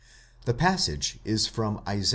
The passage is from Isa.